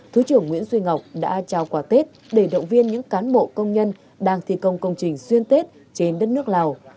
thứ trưởng nguyễn duy ngọc đã trao quà tết để động viên những cán bộ công nhân đang thi công công trình xuyên tết trên đất nước lào